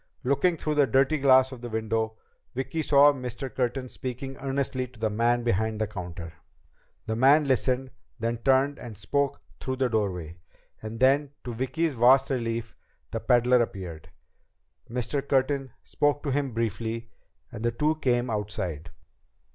Looking through the dirty glass of the window, Vicki saw Mr. Curtin speaking earnestly to the man behind the counter. The man listened, then turned and spoke through the doorway. And then, to Vicki's vast relief, the peddler appeared. Mr. Curtin spoke to him briefly, and the two came outside.